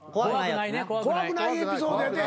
怖くないエピソードやって。